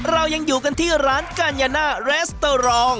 เรายังอยู่กันที่ร้านกัญญาณาราสตรง